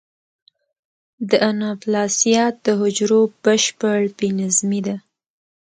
د اناپلاسیا د حجرو بشپړ بې نظمي ده.